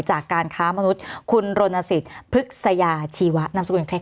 จากกาญคามนุษย์คุณโรนสิทธิ์พึกซายาชีววะนามสกุลคล้ายกันนะคะ